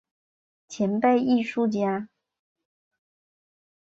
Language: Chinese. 前辈艺术家